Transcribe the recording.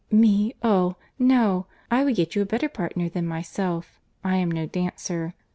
"Me!—oh! no—I would get you a better partner than myself. I am no dancer."